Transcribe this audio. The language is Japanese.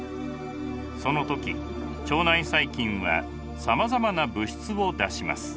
その時腸内細菌はさまざまな物質を出します。